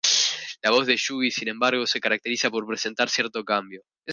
La voz de Yugi, sin embargo, se caracteriza por presentar cierto cambio.